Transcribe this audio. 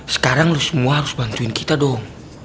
sekarang lo semua harus bantuin kita dong